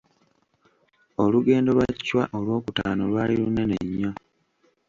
Olugendo lwa Chwa olw'okutaano lwali lunene nnyo.